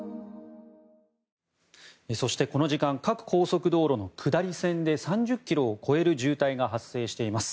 そして、この時間各高速道路の下り線で３０ｋｍを超える渋滞が発生しています。